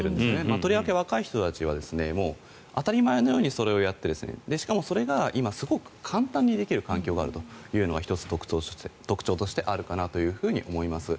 とりわけ若い人たちは当たり前のようにそれをやってしかも、それが今すごく簡単にできる環境があるというのが１つ、特徴としてあるかなと思います。